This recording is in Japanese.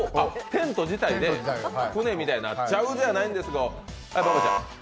テント自体で舟みたいになっちゃうじゃないんですよ。